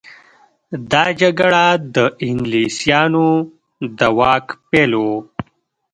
دا جګړه د انګلیسانو د واک پیل و.